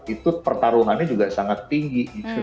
itu pertarungannya juga sangat tinggi